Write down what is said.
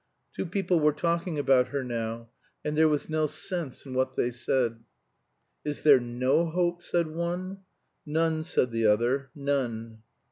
Two people were talking about her now, and there was no sense in what they said. "Is there no hope?" said one. "None," said the other, "none."